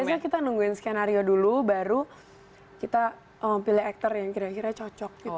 jadi biasa kita nungguin skenario dulu baru kita pilih aktor yang kira kira cocok gitu